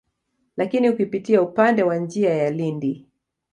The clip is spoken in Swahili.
Lakini ukipitia upande wa njia ya Lindi